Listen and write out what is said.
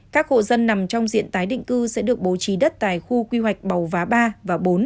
các hộ dân nằm trong diện tái định cư sẽ được bố trí đất tại khu quy hoạch bầu vá ba và bốn